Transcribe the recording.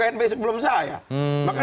knp sebelum saya